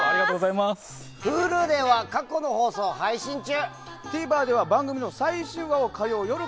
Ｈｕｌｕでは過去の放送を配信中。